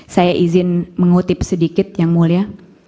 saya izin mengutip sedikit yang mulia